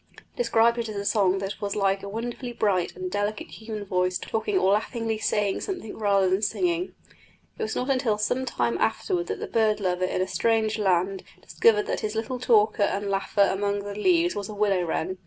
He described it as a song that was like a wonderfully bright and delicate human voice talking or laughingly saying something rather than singing. It was not until some time afterwards that the bird lover in a strange land discovered that his little talker and laugher among the leaves was the willow wren.